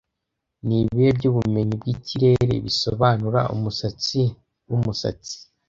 Nibihe byubumenyi bwikirere bisobanura "umusatsi wumusatsi"